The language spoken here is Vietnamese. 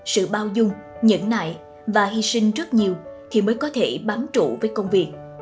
sự bao dung nhẫn nại và hy sinh rất nhiều thì mới có thể bám trụ với công việc